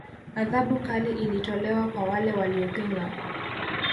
Adhabu kali ilitolewa kwa wale waliopinga